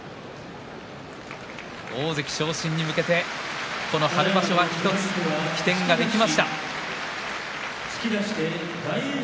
大関昇進に向けてこの春場所は１つ起点ができました。